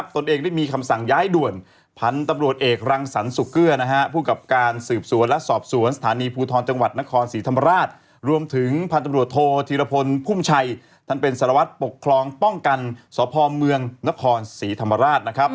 ต้องกันสภอเมืองนครศรีธรรมราชนะครับ